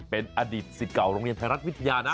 เป็นอดีตสิทธิ์เก่าโรงเรียนไทยรัฐวิทยานะ